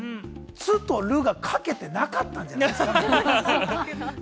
「つ」と「る」が書けてなかったんじゃない？